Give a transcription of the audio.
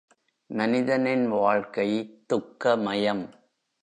மனிதனின் வாழ்க்கை துக்க மயம்.